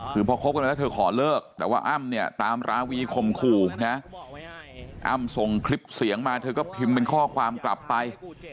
คือพอคบกันมาแล้วเธอขอเลิกแต่ว่าอ้ำเนี่ยตามราวีข่มขู่นะอ้ำส่งคลิปเสียงมาเธอก็พิมพ์เป็นข้อความกลับไป